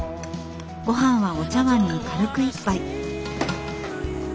ごはんはお茶わんに軽く１杯。